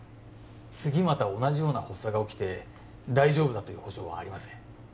次また同じような発作が起きて大丈夫だという保証はありません